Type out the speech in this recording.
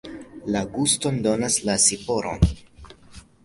La guston donas la siropo.